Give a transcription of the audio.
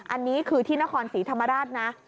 อันนี้คือที่นครศรีธรรมราชนะ